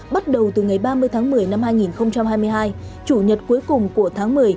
bắt đầu từ ngày ba mươi tháng một mươi năm hai nghìn hai mươi hai chủ nhật cuối cùng của tháng một mươi